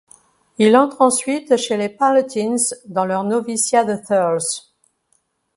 Il entre ensuite chez les pallottins dans leur noviciat de Thurles.